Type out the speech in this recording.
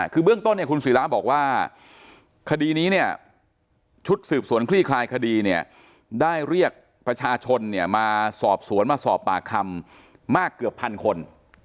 คือเบื้องต้นเนี่ยคุณศิราบอกว่าคดีนี้เนี่ยชุดสืบสวนคลี่คลายคดีเนี่ยได้เรียกประชาชนเนี่ยมาสอบสวนมาสอบปากคำมากเกือบพันคน